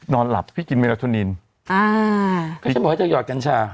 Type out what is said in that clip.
นอนหลับพี่กินเมลาโทนินอ่าก็ฉันบอกว่าเธอหอดกัญชา